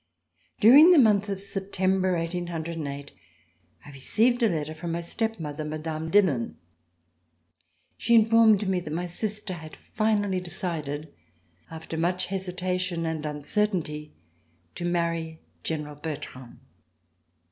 During the month of September, 1808, I received a letter from my step mother, Mme. Dillon. She in formed me that my sister had finally decided, after much hesitation and uncertainty, to marry General Bertrand.